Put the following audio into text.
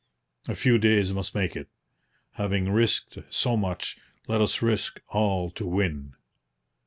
A few days must make it. Having risked so much, let us risk all to win!'